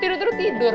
tidur tidur tidur